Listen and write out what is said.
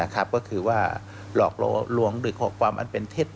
ก็คือว่าหลอกล่อลวงหรือขอความอันเป็นเท็จ